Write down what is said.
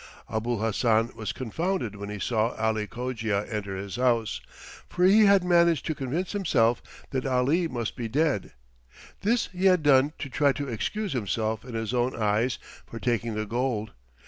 Abul Hassan was confounded when he saw Ali Cogia enter his house, for he had managed to convince himself that Ali must be dead. This he had done to try to excuse himself in his own eyes for taking the gold.